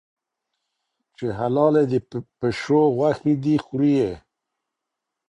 چي حلالي د پشو غوښي دي خوری یې